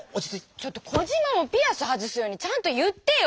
ちょっとコジマもピアス外すようにちゃんと言ってよ！